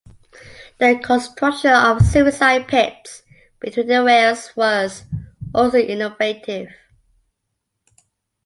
The construction of "suicide pits" between the rails was also innovative.